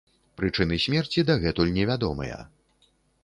Прычыны смерці дагэтуль невядомыя.